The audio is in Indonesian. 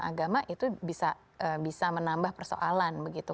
agama itu bisa menambah persoalan begitu